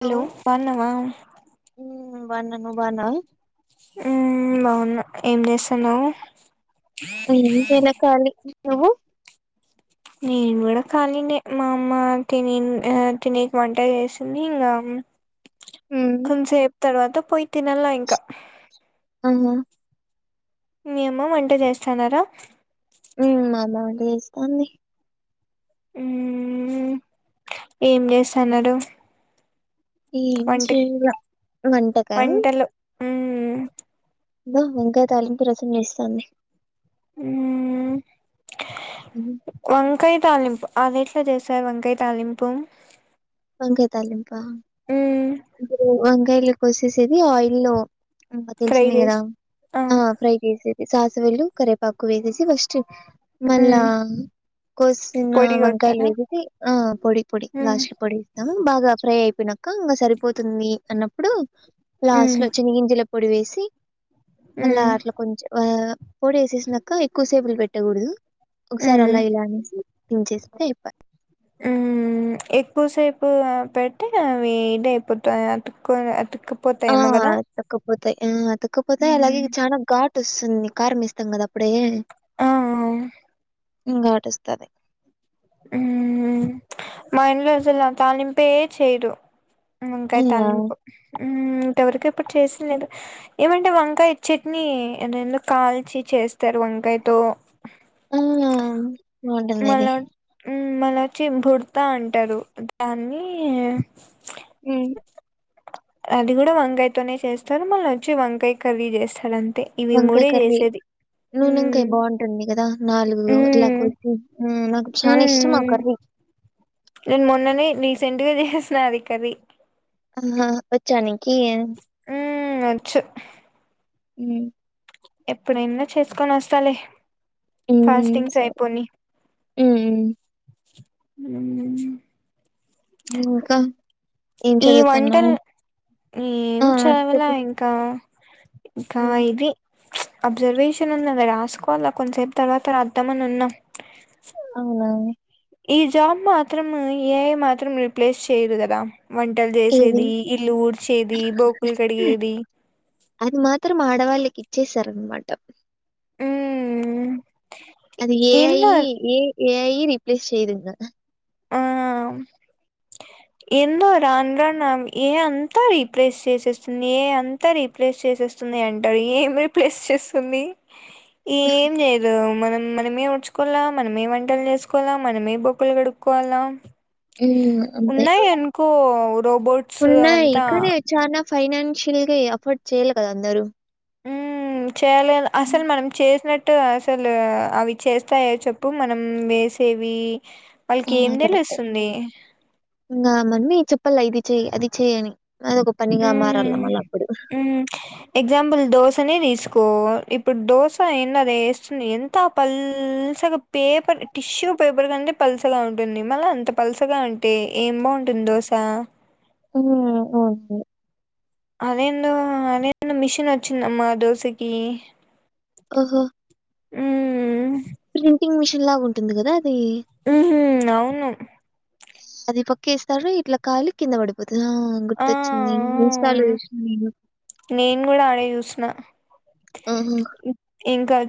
Hello బాగున్నావా నేను బాగున్నా నువు బాగున్నావా హ్మ్ బావున్నా ఏం చేస్తాన్నావు. ఏమ్ చెయ్యాలె కాళీ నువ్వు నేను కూడా కాలీ నే మా అమ్మ తినే తినకే వంట చేసింది ఇంగా ఉమ్ కొంసేపు తర్వాత పోయి తినాల ఇంకా అమ్మ మీ అమ్మ వంట చేస్తాన్నారా చేస్తుంది. హ్మ్ ఉ ఏం చేస్తున్నాడు. ఏం చేయలే వంటకామ్ వంటలు మ్మ్ ఇంకా వంకాయ తాలింపు రసం చేస్తంది. మ్మ్ హ్మ్ వంకాయ తాలింపు అదెట్లా చేశారు. వంకాయ తాలింపు వంకాయ తాళింపా మ్మ్ కోసేసేది ఆయిల్ లో ఇంకా ఫ్రై తెలిసింది కదా చేసి ఆ ఫ్రై చేసిది ఇ సాసొల్లు, కరేవేపాకు వేసేసి ఫస్ట్ మళ్ళా మ్మ్ కోసిన పొడి వంకాయలు కొడతారా వేసేసి, ఆ పొడి పొడి మ్మ్ లాస్టు కి పొడి ఎస్తా బాగా ఫ్రై అయిపోయినంక ఇగా సరి పోతుంది అన్నప్పుడు లాస్ట్ మ్మ్ లో చినిగింజల ప్ పొడివేసి మళ్ళా మ్మ్ అట్లా కొంచెం ఆ పొడి వేసేసినాక ఎక్కువ సేపు పెట్టకూడదు. ఒకసారి మ్మ్ అలా ఇలా అనేసి దించేస్కుంటే అయి పా మ్మ్ ఎక్కువ సేపు పెట్టి అవి ఇద అయిపోతాయి అతుక్కొని అతుక్కు పోతాఏమో గద తయ్ మ్మ్ ఆ అతుక్కపోతాయ్ అలాగే చానా గాట్ ట్ స్తుంది కారమేస్తాం గదా అప్పుడే ఆ ఆ ఇంగాటస్తది మ్మ్ మా ఇంట్లో అసల ఆ తాలింపే చేయరు వంకాయ్ అవునా తాలింపు మ్మ్ ఇంతవరకె ఎప్పుడు చేసిందే లేదు ఏమంటే వంకాయ చట్నీ ఏ దేందో కాల్చి చేస్తారు వంకాయ్ తో అవునా బాగుంటుంది ఇది మళ్ళ చింపుర్తా అంటారు దాన్ని మ్మ్ అది కూడా వంగాయతోనే చేస్తారు మళ్ళ వచ్చి వంకాయ్ కర్రీ చేస్తారం వంకాయ్ కర్రీ నూనెంకాయ్ మ్మ్ బాగుంటుంది కదా నాలుగు ఇలా మ్మ్ కోచ్చి హ్మ్ నాకు చా నా ఇష్టం ఆ మ్మ్ కర్రీ నేను మొన్ననే రీసెంట్ గా చేసిన అది కర్రీ ఆహా వచ్చాని కీ మ్మ్ వచ్చు మ్మ్ ఎప్పుడైన చూసుకొని వస్తాలే ఉమ్ ఫాస్టింగ్స్ సరే అయిపోని ఉమ్ ఉమ్. మ్మ్ ఇంకా ఏం ఈ చదువుతున్నావు వంటలు ఏం ఆ చదవలే చెప్పు ఇంకా ఇంకా ఉమ్, ఇది అబ్జర్వేషన్ ఉన్నది రాసుకోవాలి కొంతసేపు తర్వాత రాద్దామని ఉన్నా ఔనా ఈ జాబ్ మాత్రం ఏఐ మాత్రం రీప్లేస్ చేయదు కదా వంటలు ఏది చేసేది ఇల్లు ఊడ్చేది బోకులు కడిగేది ఇచ్చేసారనమాట మ్మ్. అది ఏఐ ఏందో ఏ ఏఐ రి ప్లేస్ చేయదు ఇంగా ఆ ఎందో రాను రాను ఏఐ అంతా రీప్లేస్ చేసేస్తుంది ఏఐ అంతా రీప్లేస్ చేసేస్తుంది అంటారు ఏం రిప్లేస్ సేస్సుంది. ఏం జేయదు మనం మనమే వుడ్చుకోవాల మనమే వంటలు చేసుకోవాలా. మనమే బొకులు కడుక్కోవాలా. ఉమ్ అంతే ఉన్నాయి అనుకో రోబోట్స్ ఉన్నాయి అవంతా కానీ చాలా ఫైనాన్ చిల్గి అఫ్ఫోర్డ్ చేయాలి కదా అందరూ చేయలేదు అసలు మనం చేసినట్ అట్ అసలు అవి చేస్తాయా చెప్పు మనం వేసేవి హ వాళ్ళకి ఏం కరెక్టే తెలుస్తుంది నా మమ్మీ చెప్పలే ఇదీ చే అది చేయ్యని అద ఒక పనిగా మారల మ్మ్ మల్ల అప్పుడు అసనే తీసుకో ఇప్పుడు దోస ఏయింది అది వేస్తుంది. ఎంత పల్చగా పేపర్ టిష్యూ పేపర్ కంటే పలుసగా ఉంటుంది. మళ్ళ అంత పలుసగా అంటే, ఏం బాగుంటుంది దోశ. ఊ ఓకే అదేందో అదేందో మిషన్ వచ్చిందమ్మా దోశకి ఓహో ఉమ్ హు ప్రింటింగ్ మిషిన్ లాగా ఉంటుంది కదా అద్ ఉహు అవును అది పక్కేస్తారు ఇట్లా కాలి కింద పడిపోతుంది. ఆ ఆ గుర్తొచ్చింది ఇన్స్టాలొ చూసిన నేను నేను కూడా ఆడే చూసిన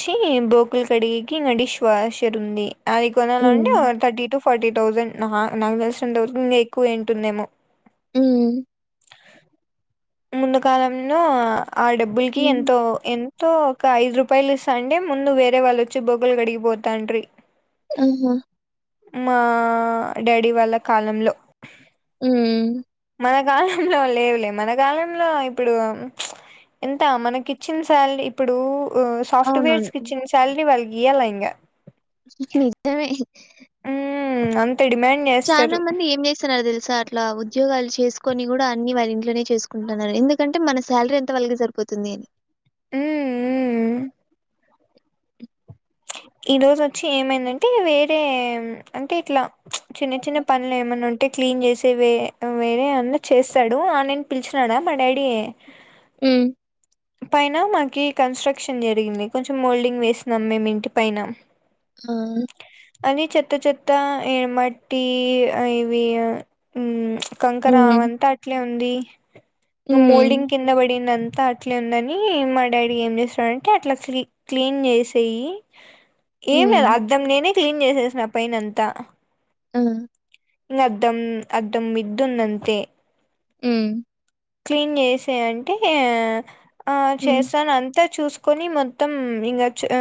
చీ బోకులు కడిగేకి డిష్ వాషర్ ఉంది. అది హ్మ్. కొనాలంటే థర్టీ టు ఫార్టీ థౌజండ్ ఆహా నాకు తెలిసినంత వరకు నీకు అయిటుందేమో ఉ ముందు కాలంలో ఆ డబ్బుల్కి హ్మ్. ఎంతో ఎంతో ఇంకా ఐదు రూపాయలు ఇస్తా అండే, ముందు వేరే వాళ్ళొచ్చి బొగ్గలు గడిగిపోతాంట్రీ. ఆహా! మా డాడీ వాళ్ళ కాలంలో ఊమ్ మన కాలంలో హ్ లేవులే మన కాలంలో ఇప్పుడు ప్చ్ ఎంత మనకిచ్చిన సాలరీ ఇప్పుడు ఊమ్ అవునవును. సాఫ్ట్వేర్సుకి ఇచ్చిన సాలరీ వాళ్ ఇయల ఇంగా నిజమే ఊమ్ అంన్ చానా మంది ఏం చేస్తున్నారో తెలుసా అట్ల ట్లా ఉద్యోగాలు చేసుకొని కూడా అన్ని వాళ్ళ ఇంట్లోనే చేసుకుంటున్నారు. ఎందుకంటే మన సాలరీ అంత వాలకి సరిపోతుంది. ఊమ్ ఊమ్ ఈ రోజు వచ్చి ఏమైందంటే వేరే అంటే ఇట్లా ప్చ్ చిన్న చిన్న పనులు ఏమైన్నా ఉం అంటే క్లీన్ చేసి వే వేరే అన్నా చేస్తాడు ఆ అన్నని పిలిచినాడా మా డాడీ ఉమ్ పైన మాకి కన్స్ట్రక్షన్ జరిగింది. కొంచెం మోల్డింగ్ వేస్తున్నాం మేము ఇంటి పైన ఆ అది చెత్త చెత్త ఏమాట్టీ అ ఇవి అ ఉమ్ ప్చ్ కంకర హ్మ్. అవంత అట్లే ఉం వుంది మ్ హ్మ్. మోల్డింగ్ కింద బడి అం తా అట్లే ఉందని మా డాడీ ఏం చేస్తాడంటే అట్లా క్లీ క్లీన్ చేసేయి ఏం లే హ్మ్. అద్దం నేనే క్లీన్ చేసేసిన పైన అంతా ఆ ఇ అద్దం అద్దం మిద్దునంతే ఊమ్ క్లీన్ చేసే అంటే ఆ హ్మ్. చేస్తాను అంత చూసుకొని మొత్తం ఇంకా చ ఆ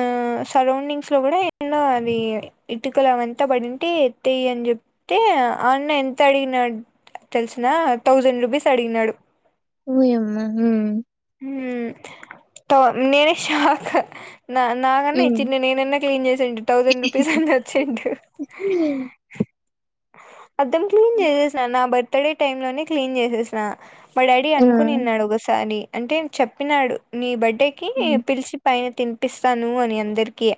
సరౌండింగ్స్ లో కూడా ఏన్నో అది ఇటుక లవంతా పడింటే ఎత్తయి అని చెప్తే అన్న ఎంత అడిగినాడ్ తెలిసునా థౌసండ్ రూపీస్ అడిగినాడు ఓయమ్మా ఊమ్ ఊమ్ త నేనేే షాక్ నా నాకన్నా హ్మ్. ఇచ్చిండే నేనన్నా క్లీన్ చేసేండు థౌసండ్ రూపీస్ అన్న వచ్చేదు మొత్తం క్లీన్ చేేసన్న బట్ త్తడే టైమ్ లోనే క్లీన్ చేసేసిన మా డాడీ ఆ! అనుకోని ఉన్నాడు ఒకసారి అంటే చెప్పినాడు నీ బెడ్ పెట్టేకీ హ్మ్. పిలిచి పైన తినిపిస్తానూ అని అందరికీ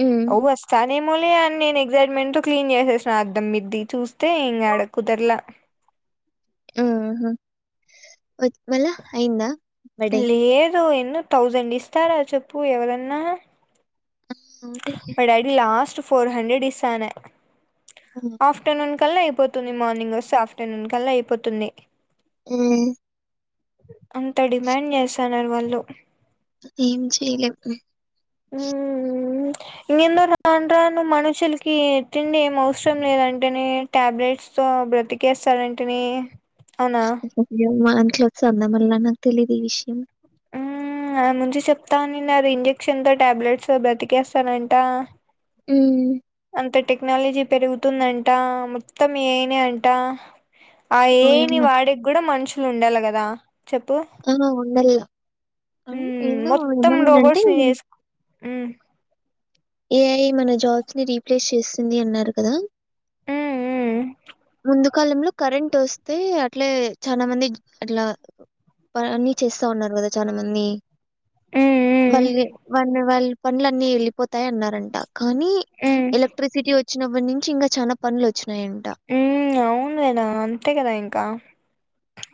హ్మ్. ఒవ్వ స్టార్ [unintelligible] నేమో లే అని నేను ఎగ్జైట్మెంట్ తో క్లీన్ చేసేసా అద్దం మీద్దీ చూస్తే ఇంకా ఆడ కుదరలా ఆ హా వ వళ అయిందా బర్డే? లేదు ఎన్నూ తౌసండ్ ఇస్తారా చెప్పు ఎవరన్నా మా డాడీ లాస్ట్ ఫోర్ హండ్రెడ్ ఇస్తా అన్నా ఆఫ్టర్నూన్ కల్లా అయిపోతుంది. మార్నింగ్ వస్తా ఆఫ్టర్నూన్ కల్లా అయిపోతుంది. ఉమ్ అంత డిమాండ్ చేసన్నరు వాళ్ళు ఏం చేయలేం ఇంగెన్దో రాన్ రాను మనుషుల్ కీ తిండి ఏం అవసరం లేదంటనే టాబ్లెట్స్ తో బ్రతికేస్తారంటనే అవునా వంట్లో చంద మల్లన తెలీదు ఈ విషయం హ్మ్ ఆనుంచి చెప్తానున్నారు ఇంజెక్షన్ తో టాబ్లెట్స్తో బ్రతికేస్తారంటా ఉమ్ అంత టెక్నాలజీ పెరుగుతుందంటా మొత్తం ఏఐనే అంటా ఆ ఏఐని ఓయమ్మ! వాడిగ్గూడ మనషు ఉండాలీ కదా హు ఉండాలా ఉ మొత్తం ఏమన్నారంటే రోబోట్స్ ని చేసు ఏఐ మన జాబ్స్ ని రీప్లేస్ చేస్తుంది అన్నారు కదా ఉమ్ ముందుకాలంలో కరెంట్ ఒస్తే అట్లే చానా మంది అట్లా పని చేస్తా ఉన్నారు కదా చానా మందీ ఉమ్ ఉమ్ వల్గే మన్ వాళ్ల్ పన్లన్నీ ఎళ్లిపోత్ తాయ అన్నారంట కానీ ఉమ్ ఉమ్ ఎలక్ట్రిసిటీ వచ్ వచ్చినప్పటి నుంచి ఇంగ చాన పన్లు వచ్చిం హ్మ్ అవును కదా అంతే కదా ఇంకా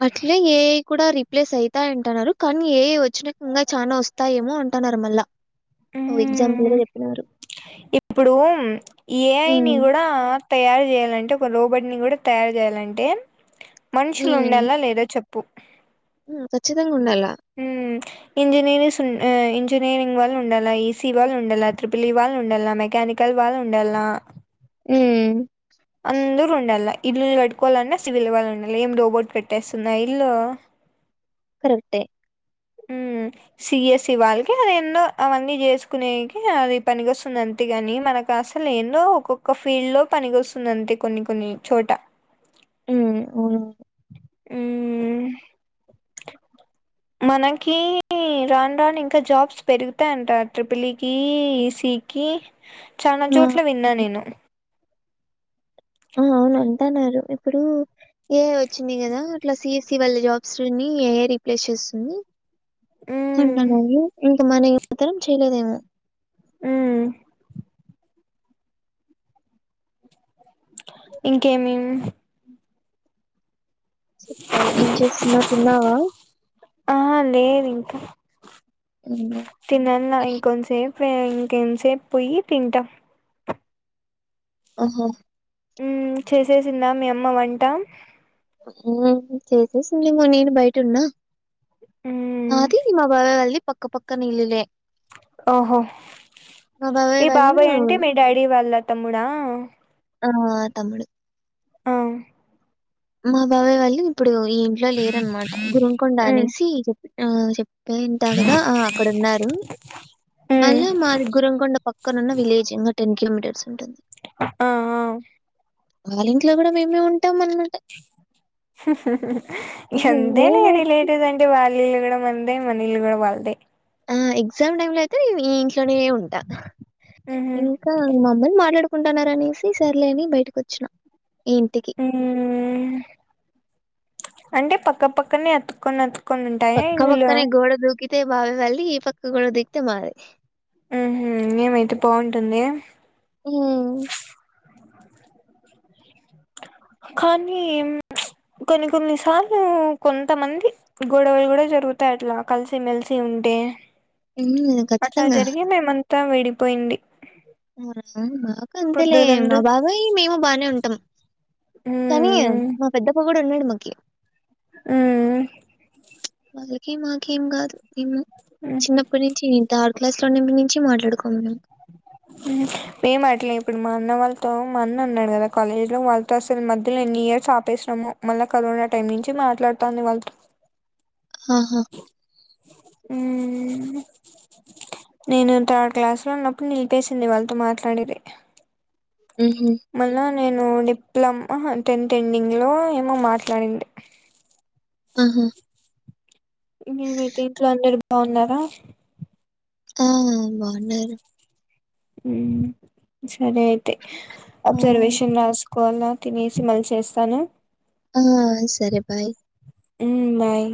అట్లే ఏఐ కూడా రిప్లేస్ అయితాయి అంటున్నారు కానీ ఏఐ వచ్చినాక ఇంగా చానా వస్తాయేమో అంటన్నారు మళ్ళా ఓ ఎగ్జాంపుల్‌గా హ్మ్ చెప్పినారు. ఇప్పుడు ఏఐని హ్మ్. గూడ తయారు చేయాలంటే ఒక రోబ ఇని కూడా తయారు చేయాలంటే మనుషులుండల్లా లేదా చెప్పు ప్పు ఊ కచ్చిత ఉండలా ఇంజనీరింగ్స్ ఇంజనీరింగ్ వాళ్ళు ఉండాల ఈసీ వాళ్ళు ఉండాల ట్రిపుల్ ఈ వాళ్ళు ఉండాలలా మెకానికల్ వాళ్ళు ఉండాలలా ఉ అందరూ ఉండాలి ఇల్లు కట్టుకోవాలి అన్న సివిల్ వాళ్లని ఏం రోబోట్ కట్టేస్తుందా ఇల్లు కరెక్టే ఉ సిఎస్సి వాళ్ళకి అది ఎన్నో అవన్నీ చేసుకునేకి అది పనికొస్తుంది అంతేగాని మనకు అసలు ఎన్నో ఒక్కొక్క ఫీల్డ్ లో పనికొస్తు ఉన్నంత కొన్ని కొన్ని చోట ఉ అవును హుఊఊఉ మనకి రాను రాను ఇంకా జాబ్స్ పెరుగుతాయి అంట ట్రిపుల్ ఈ కి ఈసిఇ కి చాలా ఆ! చోట్ల విన్నా అవును. నేను ఆ అవును అంటన్నరు ఇప్పుడు ఏ చ్చింది కదా అట్లా సి ఎస్ సివలి జాబ్స్ ని రీప్లేస్ చేస్తుంది తిండ ఉమ్ నువు ఉ మన యువతరం చేయలేదేమో ఊ ఇంకేమి చెప్పాలి ఏం చేస్తున్న తిన్నావా హ్మ్. తినాల ఇం కొంసేపు వెయ్ ఇంకేం సేప్ పోయి తింటా ఓహో ఉ చేసేసిందా మీ అమ్మ వంటా ఉ చేసేసిందేమో నేను బయట ఉన్న ఉమ్ ఆది మా బాగగలి పక్క పక్కన ఇల్లులే ఒహో మా ఈ వాళ్ళు బాబాయ్ అంటే మీ డాడీ వాళ్ళ తమ్ముడా ఆ తమ్ముడు అ మా బాబాయ్ వాళ్ళు ఇప్పుడు ఈ ఇంట్లో లేరనమాట గోల్కొండ ఉమ్ అనేసి చెప్పి ఆ చెప్ ఏంటా కదా ఆ అక్కడ ఉన్నారు ఉమ్ మళ్ళీ మాది గురంకొండ పక్కన ఉన్న విలేజ్ ఇంకా టెన్ కిలోమీటర్ సుంటుంది ఆ ఆ వాళ్ళ ఇంట్లో కూడా మేమే ఉంటాం మనము హా హా హా ఇగంతేలే నేనైతే రిలేటివ్ అంటడి వాలిలు గూడా మందే మనీలు గూడ వాల్దే ఆ ఎక్సామ్ టైమ్ లో అయితే ఈ తొనే ఉంటా ఉహు ఇంకా మమ్మల్ని మాట్లాడు కుంటున్నారనేసి సర్లే అని బయటకు ఒచ్చిన ఈంటికి ఉమ్ అంటే పక్కపక్కనే అతుకొని అతు పక్క పక్కనే గోడ దూకితే బావయ్ వాళ్ దీ ఈ పక్క గూడా దిగితే మాదే ఉహు ఏమైతే బాగుంటుంది గద హ్మ్. కానీ ప్చ్ కొన్ని కొన్ని సార్లు కొంతమంది గొడవలు కూడా జరుగుతాయి అట్లా కలిసిమెలిసి ఉంటే హ్ ఖచ్చితంగా. త్తా విడిపోయింది. [inaudible] ఒకే ఇప్పుడు అంతేలే దూరం మా దూ బాబాయి మేము బానే ఉంటాం. కానీ ఉమ్ మా పెద్దప్పా కూడా ఉన్నాడు మాకు. కె హ్ అలకి మాకేం కాదు. చిన్నప్పటి నుంచి నీతో ఆడు క్లాస్ లో [inaudible] మే మాట్లే ఇప్పుడు మా అన్న వాళ్ళ తో మా అన్న ఉన్నాడు కదా కాలేజ్ లో వాళ్ళతో అసలు మధ్యలో ఎన్ని ఇయర్స్ ఆపేసినమో మళ్ళా కరోనా టైమ్ నుంచి మాట్లాడుతాంది వాళ్ళతో. ఆహా. హ్ నేను థర్డ్ క్లాస్ లో ఉన్నప్పుడు నిలిపేసింది వాళ్ళతో మాట్లాడేది. హుహు. మళ్ళా నేను డిప్ లమ్ టెన్త్ ఎండింగ్ లో ఏమో మాట్లాడింటి. ఆహా ఇంకా ఏమైతే ఇంట్లో అందరు బావున్నారా. ఆ బావున్నారు. హ్ సరే అయితే. ఆ! అబ్జర్వేషన్ రాసు కోలా తినేసి మళ్ళీ చేస్తాను. ఆ సరే బాయ్. హ్ బాయ్.